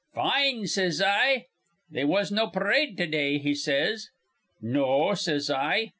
'Fine,' says I. 'They was no parade to day,' he says. 'No,' says I.